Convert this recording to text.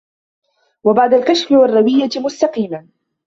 وَبَعْدَ الْكَشْفِ وَالرَّوِيَّةِ مُسْتَقِيمًا